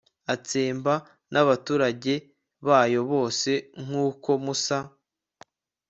atsemba n'abaturage bayo bose nk'uko musa